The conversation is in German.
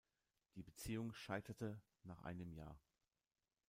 Die Beziehung scheiterte nach einem Jahr.